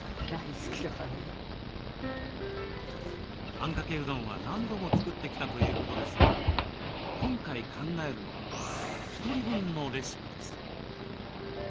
あんかけうどんは何度も作ってきたということですが今回考えるのはひとり分のレシピです。